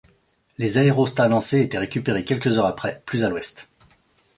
Les aérostats lancés étaient récupérés quelques heures après, plus à l'ouest.